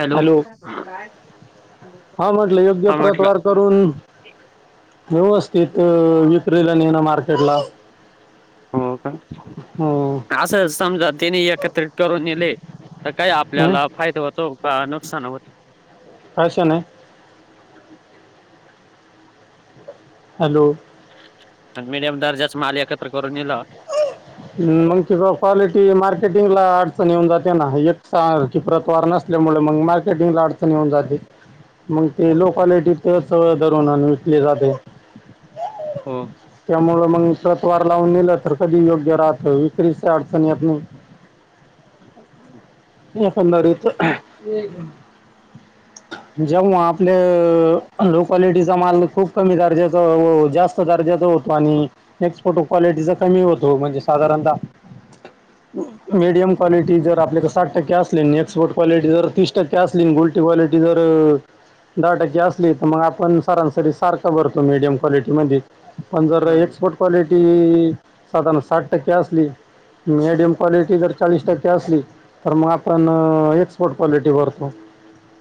Hello, ह हा म्हटलं योग्य म्हटला प्रतवार करून व्यवस्थित विक्रीला नेण मार्केटला. हो का हम्म. अस समजा, त्यांने एकत्रित करून नेले तर काय हम्म? आपल्याला फायदा होत तो पा नुकसान होत. कशाने हॅलो अन मिडीयम दर्जाचा माल एकत्र करून नेलाव. मग तुझ्या क्वालिटी मार्केटिंगला अडचण येऊन जाते ना, एक सा रखी प्रतवार नसल्यामुळे, मग मार्केटिंगला अडचणी येऊन जाते. मग ते लो क्वालिटीत सगळं दर [unintelligible] जाते. हो. त्यामुळं मग प्रतवार लावून नेलं, तर कधी योग्य राहतं. विक्रीत काय अडचण येतं नाही. एकंदरीत जेव्हा आपले लो क्वालिटीचा माल खूप कमी दर्जे जास्त दर्जा होतो आणि [unintelligible] क्वालिटीचा कमी होतो म्हणजे साधारणतः मीडियम क्वालिटी जर आपलाकडं साठ टक्के असली, एक्सपर्ट क्वालिटी जर तीस टक्के असली, गुल ते क्वालिटी जर दहा टक्के असली, तर मग आपण सरांसरी सारखं भरतो, मीडियम क्वालिटीमध्ये. पण जर ह एक्सपोर्ट क्वालिटी साधारण साठ टक्के असली मीडीयम क्वालिटी जर चाळीस टक्के असली तर मग आपण एक्सपर्ट क्वालिटी भरतो.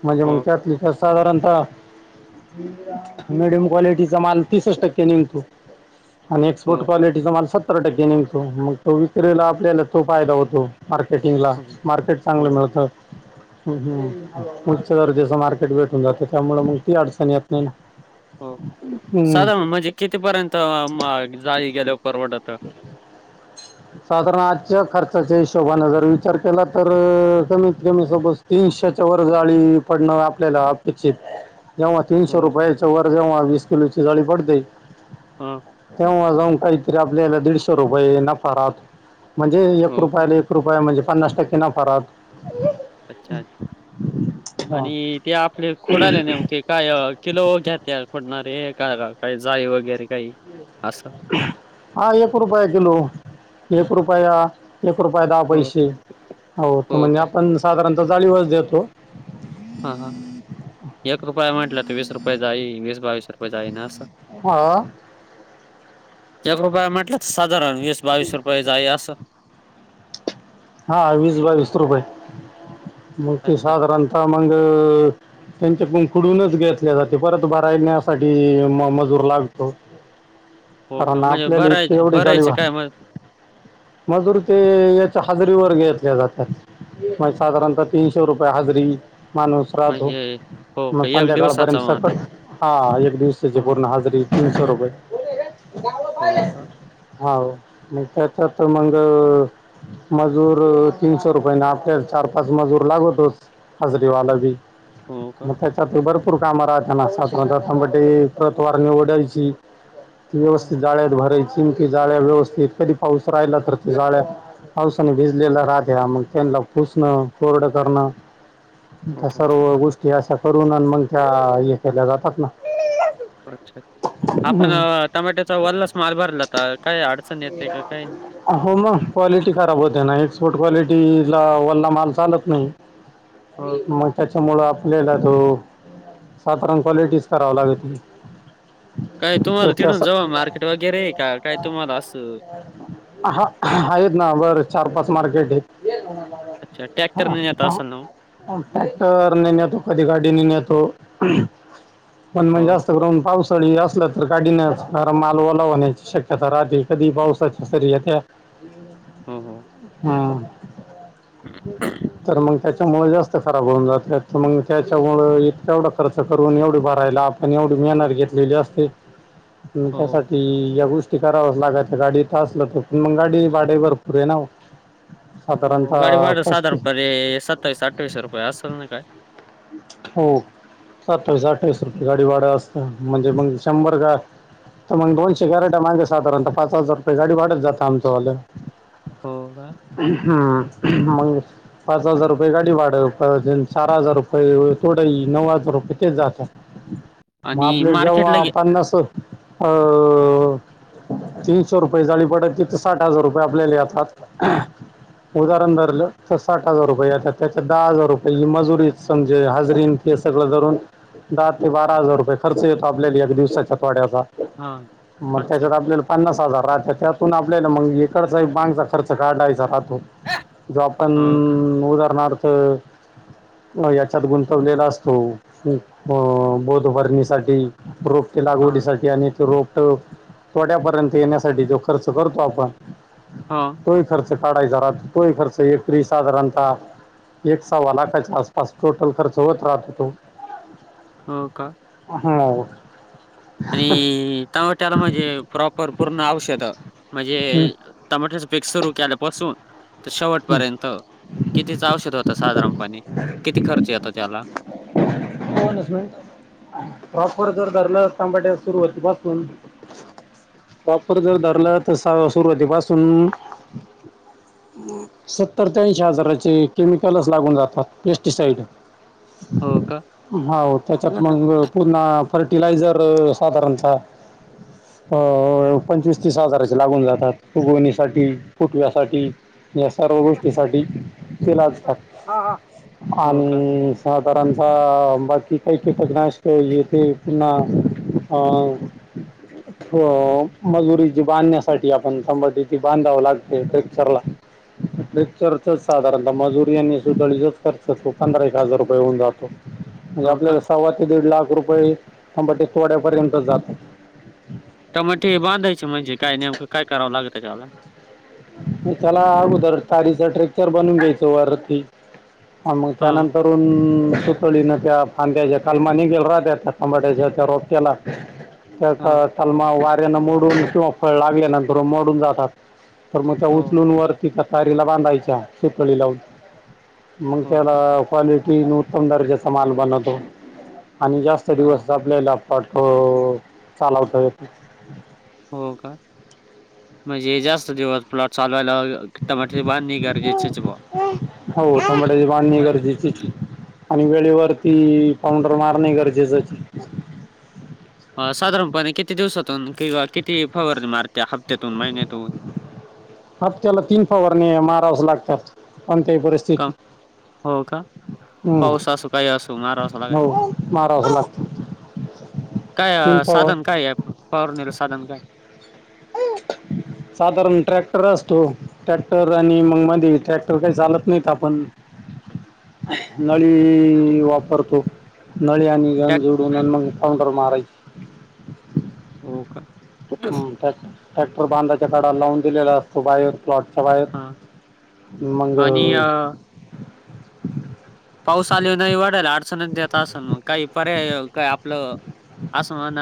म्हणजे मग हो का [unintelligible] साधारणतः मीडियम क्वालिटीचा माल तीसच टक्क्यांनी. [unintelligible] आणि हो एक्सपोर्ट का क्वालिटीचा माल सत्तर टक्के [unintelligible] मग, तो विक्रीेला आपल्याला तो फायदा होतो. मार्केटिंगला, हो मार्केट हो चांगलं मिळतं. हम्म हम्म, उच्च दर्जेच मार्केट भेटून जातं, त्यामुळं मग ती अडचण येत नाही ना. हो हम्म. साधारण म्हणजे कितीपर्यंत [unintelligible] गेल्यावर परवडत? साधारण आजच्या खर्चाच्या हिशोबाने जर विचार केला, तर कमीत कमी सोबत तीनशेच्या वर [unintelligible] पडणं आपल्याला अपेक्षित जेव्हा तीनशे हो का रुपयाच्यां वर जेव्हा वीस किलो ची [unintelligible] पडते. हा. तेव्हा जाऊन काहीतरी आपल्याला दीडशे रुपये नफा राहतं म्हणजे एक हो का रुपयाला एक रूपया म्हणजे पन्नास टक्के नफा राहतं. अच्छा, आणि ते आपले खो [unintelligible] काय किलो घेत्यात फोडणारे? काय का काही [unintelligible] वगैरे काही असं. हा एक रुपया किलो. एक रुपया एक रुपये दहा हो पैसे हो तर म्हणजे आपण साधारणतः [unintelligible] देतो. हा ह, एक रुपये म्हटलं तर वीस रुपये [unintelligible] वीस, बावीस रुपये [unintelligible] ना असं. हो. एक रुपया म्हटलं, तर साधारण वीस, बावीस रुपये [unintelligible] असं. हा, वीस, बावीस रुपये मग ते अच्छा साधारणतः मग त्यांच्याकडून फुडूनच घेतले जाते, परत भरायण्यासाठी म मजूर लागतो. हो, का. कारण म्हणजे आपल्याला इतके भरायच एवढे जाळी भरायचे भर काय मग? मजूर ते येत हजरी वर घेतल्या जातात, मग साधारणतः तीनशे रुपये हजरी माणूस राहतो, म्हणजे हो मग का एक दिवसाचा संध्याकाळपर्यंत मान [unintelligible] हा एक दिवसाची हां पूर्ण हजरी तीनशे रुपये. हो का होा म त्याच्या तर मंग. मजूर तीनशे रुपये ना आपल्याला चार पाच मजूर लागतोच. हजरीवाला भी हो का. मठ चतुबर. पुर का मारताना सातव प्रतवार निवडायची. ती व्यवस्थित हां. जाळ्यात भरायची जाळ्या व्यवस्थित कधी पाऊस राहिला तर त जाळ्यात. पावसाने भिजलेला राहत्या मग त्यांना पुसणं कोरड करणं. हो, त्या हो. सर्व गोष्टी अशा करून मग त्या हे केल्या जातात ना. अच्छा, आपण टमाॅट्याचा वल्लास माल भरला तर काय अड [inaudible] हो मग क्वालिटी खराब होते ना, एक्सपोर्ट क्वालिटीला वल्ला माल चालत नाही. [inaudible] मग त्याच्यामुळं आपल्याला तो, साधारण क्वालिटीच करावी लागती. काय तुम्हाला तिडूनं जवळ मार्केट वगैरे, आहे काय तुम्हाला असं? हा आहेत ना बरं चार पाच मार्केट आहेत. अच्छा हा ट्रॅक्टरने नेता हां. असाल ना मग? ट्रॅक्टरने नेतो, कधी गाडीने नेतो. पण हो जास्त का. करून पावसाळी असल्या तर गाडीनच कारण माल ओला होण्याची शक्यता राहती. कधी पाऊसच सरी येतंय. हो हो. हम्म, तर मग त्याच्यामुळं जास्त खराब होऊन जाते तर मग त्याच्यामुळं एवढा खर्च करून एवढे भरायला आणि एवढी हो. मेहनत घेतलेली असते, हो. त्यासाठी या गोष्टी कराव्याच लागत गाडीत असलं तो पण मग गाडी भाडे भरपूर आहे ना. साधारणतः पस्तीस ते सत्त सत्तावीस अठ्ठवीशे रुपये असेल ना काय? हो सत्तावीस अठ्ठावीस रुपये गाडी भाडं असतं म्हणजे मंग शंभर काय तर मग दोनशे क्यारट्या मागे साधारण पाच हजार रुपये गाडी वाढत जातं आमंचवाल. हो का? हम्म, मग पाच हजार रुपये गाडी भाडं पडतन, चार हजार रुपयं होय- होय का तेव्हढे नऊ हजार रुपये तेच जातात मग आणि आपल्याला मार्केटला जेव्हा गे पन्नास हो. तीनशे रुपये जाळी पडती तिथ साठ हजार रुपये आपल्याला येतात. उदाहरण धरलं तर साठ हजार रुपये येतात त्याच्यात दहा हजार रुपये ही मजुरी समजे हाजरीन ते सगळं धरून दहा ते बारा हजार रुपये खर्च येतो आपल्याला एक दिवसाच्या तोड्याचा. हां. मग अच्छा. त्याच्या आपल्याला पन्नास हजार राहत त्यातून आपल्याला मग इकडचा एक बांगचा खर्च काढायचा राहतो. जो आपन हो का? उदाहरणार्थ? याच्यात गुंतवलेला असतो बौध भरणीसाठी रोप ते हां, लागवडीसाठी, आणि ते रोप थोड्या पर्यंत येण्यासाठी जो खर्च करतो आपण. हां. तो ही खर्च काढायचा राहतो तोही खर्च एकत्र साधारणतः एक सवा लाखाच्या आसपा अस टोटल खर्च होत राहतो तो. हो का? हहम्म आणि तमाट्याला म्हणजे प्रॉपर पूर्ण औषध हं, म्हणजे टमाट्याच पिक सुरू केल्यापासून तर हं. शेवटपर्यंत कितीच औषध होत साधारणपणी, किती खर्च येतो त्याला? प्रॉपर जर धरल तर टमाट्या सुरुवती पासून प्रॉपर जर धरल तर साव सुरुवातीपासून सत्तर ते ऐंशी हजाराचे केमिकलच लागून जातात पेस्टिसाईड हो का? हो त्याच्यात हां, मग पुन्हा फर्टिलायझर साधारणतः अ पंचवीस तीस हजाराचे लागून जातात फुगवणीसाठी, फुटव्यासाठी. या सर्व गोष्टीसाठी ते लाचतात हां. हो का? आणि साधारणतः बाकी काही किटक नाशके ये ते पुन्हा अ [inaudible] अ, मजुरी जी बांधण्यासाठी आपण संबटी ती बांधाव लागते ट्रॅक्चरला ट्रेक्टचेर च खर्चच साधारणतः मजुरी आणि सुधळीच खर्चच पंधरा एक हजार रुपये होऊन जातो म्हणजे हो का? आपल्याला सव्वा ते दीड लाख रुपये टमबाटे तोड्यापर्यंत जातात टमाटे हे बांधायचे म्हणे काय नेमक काय? काय कराव लागत त्याला त्याला अगोदर तारीच ट्रेक्चर बनूवून घ्यायच वरती मग हां, त्यानंतर कर सुतळीन त्या फांद्याच्या कालमा निघेल राहत्या त्या खांबाड्याच्या त्या रोप्याला हां. त्या तलमा वाऱ्याना मोडून किंवा फळ लागल्या नंतर मोडून जातात तर मग त्या हो. उचलून वरती तारीला बांधायच्या सुतळी लावून मग हो त्याला का? क्वालिटी उत्तम दर्जाचा माल बनवतो आणि जास्त अ, दिवस ज आपल्याला पाठो चालावत येतो हो का, म्हणजे जास्त दिवस प्लॉट चालवायला टमाटे बांधणी गरजेचीच बुवा. हो तबट्य बांधणी गरजेची चे आणि वेळेवरती पाऊंडर मारणे गरजेच चे साधारणपणे किती दिवसातून किंवा किती फवारणे मारत्या हप्त्यातून महिन्यातून? हप्त्याला तीन फवारण्या ह्या मारव्याच लागतात, कोणत्याही परिस्थि का, हो का? पाऊस हम्म असो काही असो मारवाच लागत्या हो मारावच लागतं तीन काय फवार साधन काय ये फवारणी नल साधन काय? साधारण ट्रॅक्टर असतो ट्रॅक्टर आणि मग मध्ये ट्रॅक्टर काही चालत नाहीत आपण ते नडी वापरतो, नळी आणि गन टॅक जोडून आणि मग फाउंडर मारायच हो का? ह टॅ ट्रॅक्टर बांधाच्या कडाला लावून दिलेला असतो बाहेर प्लॉटच्या बाहेर, हां. मंग आणि अ, पाऊस आले नाही वाढाल अडचणत देत असेल मग काही पर्याय काय आपल अस मन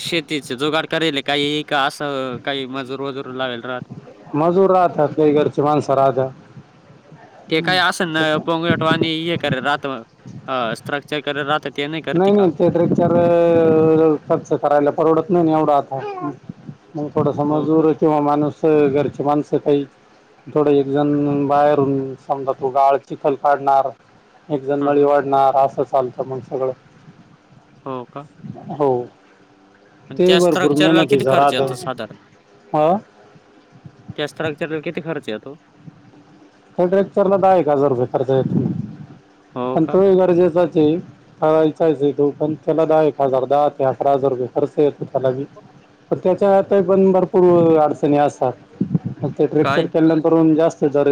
शेतीच जुगाड करेले काही की अस काही मजूर वजूर लावेला राहत? मजूर राहत्या, काय घरची माणस राहत्या ते काही असेना पोंगटवा आणि हे करे रात स्ट्रक्चर करे रात नाही नाही ते स्ट्रक्चर खर्च करायला परवडत नाही नाही एवढं आता. मग थोडसं हो का? मजूर किंवा माणूस घर ची माणसं काही थोडं एक जण बाहेरून समजा तो गाळ चिखल काढणार एक जण हं, नळी हं. वाढणार असं चालतं मग सगळं. हो का? हो, आणि ते त्या भरपूर स्ट्रक्चरला किती मेहनतीच खर्च राहतं. येतो साधारण? हां त्या स्ट्रक्चरला किती खर्च येतो? त्या स्ट्रक्चरला दहा एक हजार रुपये खर्च येतो हो आणि का? तोही गरजेचाच ते चाळीस येतो पण त्याला दहा एक हजार दहा ते अकरा हजार रुपये खर्च येतो. त्याला बी पण त्याच्यातही पण भरपूर अडचणी असतात. ते काय? स्ट्रक्चर केल्यानंतरून जास्त जर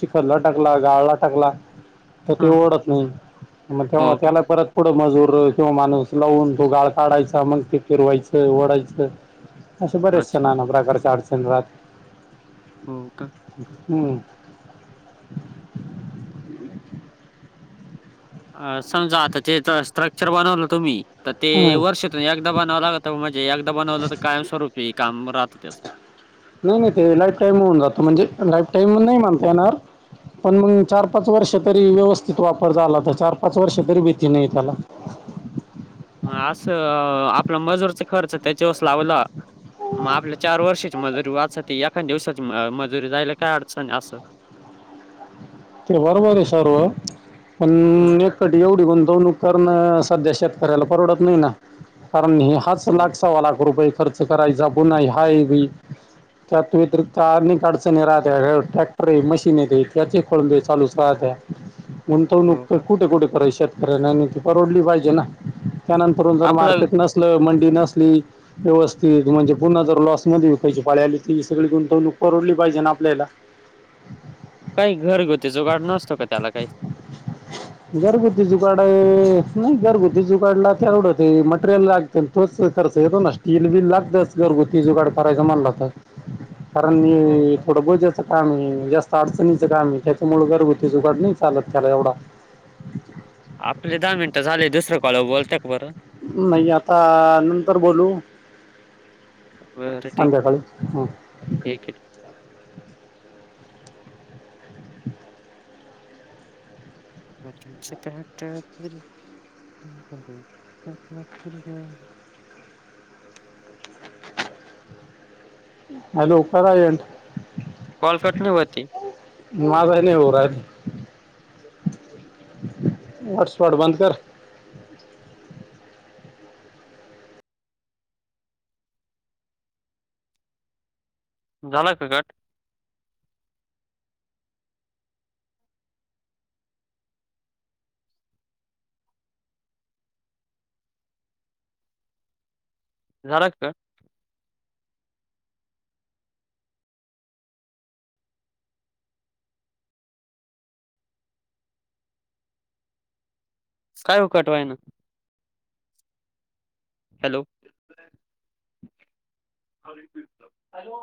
चिखलला टाकला गाळा ला टाकला तर ते हं. ओढत नाही, मग तेव्हा हो का? त्याला परत पुढं मजूर किंवा माणूस लावून तो गाळ काढायचा मग ते फिरवायचं वढायचं. असे बरेचसे अच्छा. नाना प्रकारच्या अडचण राहतात. हो का? हम्म. अ समजा आता तेच स्ट्रक्चर बनवलं तुम्ही तर ते हम्म. वर्षा तून एकदा बनवाव लागतं, म्हणजे एकदा बनवलं तर कायम स्वरूपी काम राहतं त्याचं. नाही नाही ते लाईफ टाईम होऊन जातं, म्हणजे लाईफ टाईम नाही म्हणता येणार. पण मग चार पाच वर्ष तरी व्यवस्थित वापर झाला, तर चार पाच वर्ष तरी भीती नाही त्याला. असं आपला मजूरचा खर्च त्याच्या वस लावला मग आपल्या चार वर्षाची मजुरी वाचत ते एखाद दिवसाची मजुरी जायला काय अडचण आहे असं? ते बरबर आहे सर्व पण हं. एक्कठी एवढी गुंतवणूक करणं सध्या शेत कऱ्याला परवडत नाही ना. कारण हाच हो. लाख सव्वा लाख रुपये खर्च करायचा पुन्हा हाय बी. त्यात व्यतिरिक्त अनेक अडचणी राहत्या ट्रॅक्टर आहे मशीन येते त्याचे खोळंबे चालूच राहते, गुंतवणूक हो तर का? कुठे कुठे करायची शेतात? खरे आहे ना आणि ती परवडली पाहिजे ना त्यानंतर जर आपलं मार्केट नसलं मंडी नसली व्यवस्थित म्हणजे पुन्हा जर लॉस मध्ये विकायची पाळली आली तर ही सगळी गुंतवणूक परवडली पाहिजे ना आपल्याला? काही घरगुती जुगाड नसतो का त्याला काही? घरघुती जुगाड आहे नाही घरघुती जुगाडला तेवढ ते मटेरियल लागत पण तोच खर्च येतो ना, स्टील बिल लागतंच घरगुती जुगाड करायचा म्हणला तर कारण हो हे का? थोडं बोज्याच काम आहे जास्त अडचणीचं काम आहे, त्यात मूळ घरगुती जुगाड नाही चालत त्याला एवढा. आपले दहा मिनटं झाले, दुसऱ्या कॉल वर बोलता का बरं? म्हणजे आता नंतर बोलू. बरं ठीक संध्याकाळी आहे, ठीक आहे. [unintelligible] [inaudible] हॅलो करा एन्ड. कॉल कट नाही होत आहे. माझा नाही होऊ राहिला, हॉटस्पॉट बंद कर. झाला का कट? झाला का कट? काय हो कट होईना. Hello [inaudible] hello